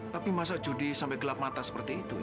tapi masa jody sampai gelap mata seperti itu ya